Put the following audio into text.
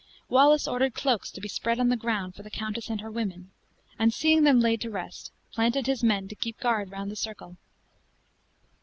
Wallace ordered cloaks to be spread on the ground for the countess and her women; and seeing them laid to rest, planted his men to keep guard around the circle.